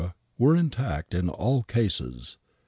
were intact in all cases.